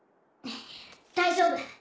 大丈夫。